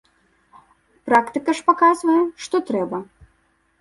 Практыка ж паказвае, што трэба.